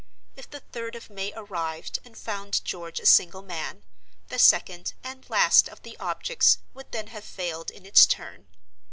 If the third of May arrived and found George a single man, the second (and last) of the objects would then have failed in its turn.